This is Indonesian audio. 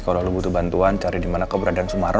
kalo lo butuh bantuan cari dimana keberadaan sumarno